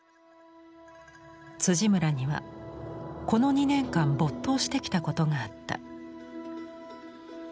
村にはこの２年間没頭してきたことがあった。